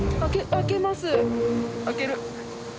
開ける。